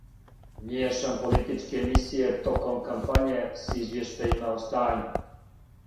Мијешам политичке емисије током кампање с извјештајима о стању.